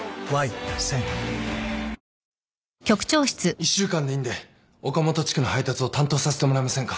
１週間でいいんで岡本地区の配達を担当させてもらえませんか？